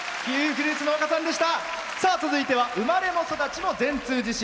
続いては生まれも育ちも善通寺市。